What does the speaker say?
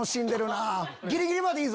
ギリギリまでいいぞ！